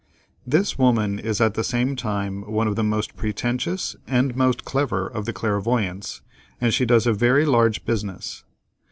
This woman is at the same time one of the most pretentious and most clever of the clairvoyants, and she does a very large business.